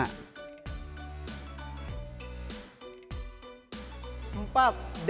ketika dikirim penipuan belanja online terjadi